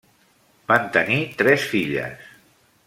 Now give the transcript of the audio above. Van tenir tres filles.